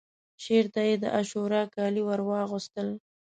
شعر ته یې د عاشورا کالي ورواغوستل